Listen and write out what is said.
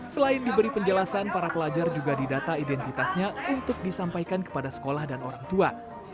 selain diberi penjelasan para pelajar juga didata identitasnya untuk disampaikan kepada sekolah dan orang tua